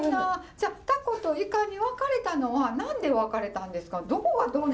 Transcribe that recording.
じゃあタコとイカに分かれたのは何で分かれたんですか？